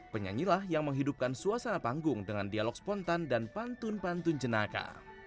penyanyilah yang menghidupkan suasana panggung dengan dialog spontan dan pantun pantun jenaka